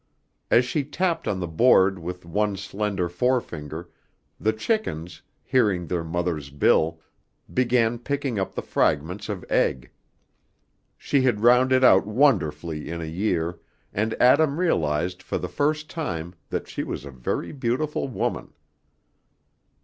As she tapped on the board with one slender forefinger, the chickens, hearing their mother's bill, began picking up the fragments of egg. She had rounded out wonderfully in a year, and Adam realized for the first time that she was a very beautiful woman.